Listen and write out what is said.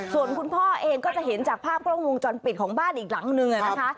ส่วนคุณพ่อเองก็จะเห็นจากภาพกล้องวงจรปิดของบ้านอีกหลังนึงนะคะ